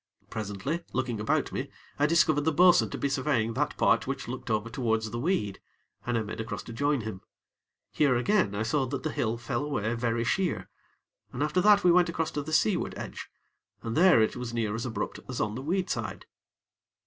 Presently, looking about me, I discovered the bo'sun to be surveying that part which looked over towards the weed, and I made across to join him. Here, again, I saw that the hill fell away very sheer, and after that we went across to the seaward edge, and there it was near as abrupt as on the weed side.